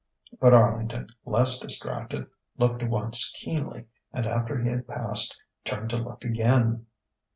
But Arlington, less distracted, looked once keenly, and after he had passed turned to look again.